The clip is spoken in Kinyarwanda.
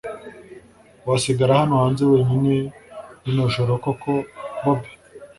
wasigara hano hanze wenyine rino joro koko bobi!